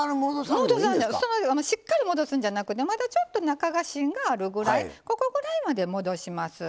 しっかり戻すんじゃなくてまだちょっと中が芯があるぐらいここぐらいまで戻します。